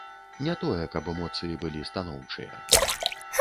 Не тое, каб эмоцыі былі станоўчыя.